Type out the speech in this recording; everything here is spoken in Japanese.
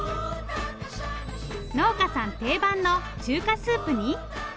農家さん定番の中華スープに。